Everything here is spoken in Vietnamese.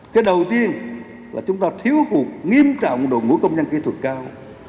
cái đầu tiên là chúng ta thiếu cuộc nghiêm trọng đội ngũ công nhân kỹ thuật cao